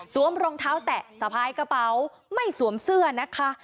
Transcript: รองเท้าแตะสะพายกระเป๋าไม่สวมเสื้อนะคะ